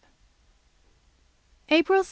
APRIL 6.